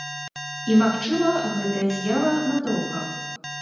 І, магчыма, гэтая з'ява надоўга.